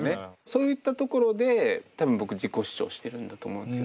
そういったところで多分僕自己主張してるんだと思うんですよね。